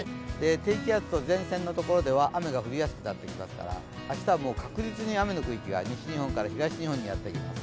低気圧と前線のところでは雨が降りやすくなってますから明日は確実に雨の区域が西日本から東日本へやってきます。